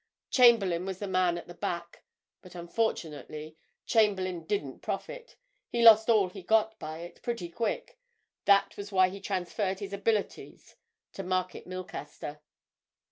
—Chamberlayne was the man at the back. But, unfortunately, Chamberlayne didn't profit—he lost all he got by it, pretty quick. That was why be transferred his abilities to Market Milcaster."